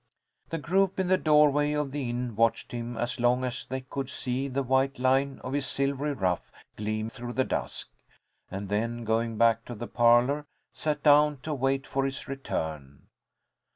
The group in the doorway of the inn watched him as long as they could see the white line of his silvery ruff gleam through the dusk, and then, going back to the parlour, sat down to wait for his return.